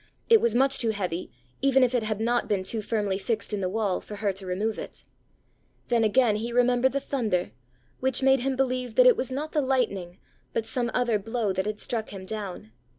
It was much too heavy, even if it had not been too firmly fixed in the wall, for her to remove it. Then again, he remembered the thunder; which made him believe that it was not the lightning, but some other blow that had struck him down.